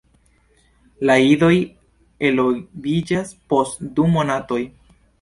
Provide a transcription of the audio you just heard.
La idoj eloviĝas post du monatoj.